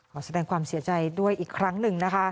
ขอแสดงความเสียใจด้วยอีกครั้งหนึ่งนะคะ